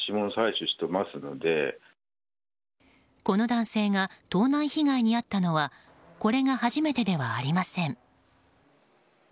この男性が盗難被害に遭ったのはこれが初めてではありません。